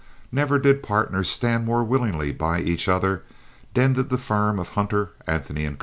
Never did partners stand more willingly by each other than did the firm of Hunter, Anthony & Co.